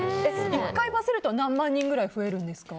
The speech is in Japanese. １回バズると何万人くらい増えるんですか？